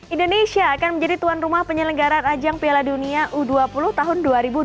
indonesia akan menjadi tuan rumah penyelenggaran ajang piala dunia u dua puluh tahun dua ribu dua puluh